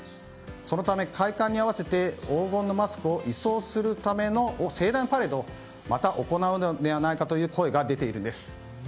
そのため、開館に合わせて黄金のマスクを移送するための盛大なパレードをまた行うのではないかという声が出ているんです。